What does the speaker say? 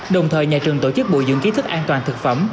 đồng thời nhà trường tổ chức bộ dưỡng kỹ thức an toàn thực phẩm